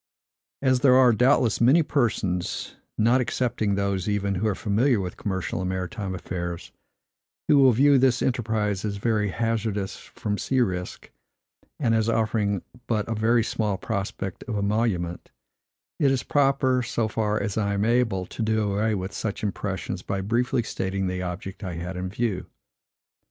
As there are, doubtless, many persons, not excepting those, even, who are familiar with commercial and maritime affairs, who will view this enterprise as very hazardous from sea risk, and as offering but a very small prospect of emolument, it is proper, so far as I am able, to do away with such impressions by briefly stating the object I had in view.